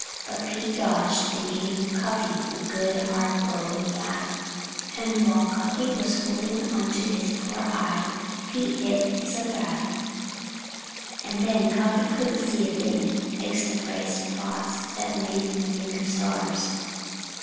But Pete dodged; and he gave Cuffy a good, hard blow in the eye. And while Cuffy was holding onto his poor eye, Pete hit his other eye. And then Cuffy couldn't see a thing, except bright spots that made him think of stars.